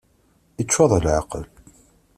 Iččur d leεqel!